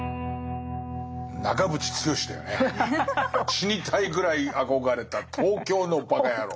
死にたいぐらい憧れた東京のバカヤロー。